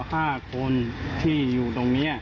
ห้าคนที่อยู่ตรงนี้